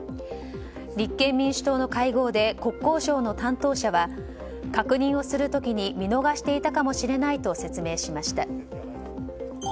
立憲民主党の会合で国交省の担当者は確認をする時に見逃していたかもしれないと説明しました。